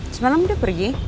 semalam dia pergi